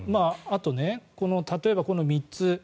あと例えば、この３つ。